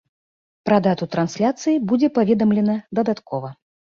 Пра дату трансляцыі будзе паведамлена дадаткова.